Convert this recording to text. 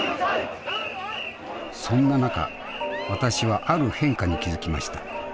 そんな中私はある変化に気付きました。